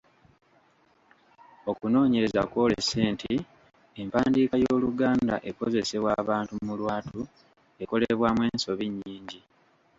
Okunoonyereza kwolese nti empandiika y'Oluganda ekozesebwa abantu mu lwatu ekolebwamu ensobi nnyingi.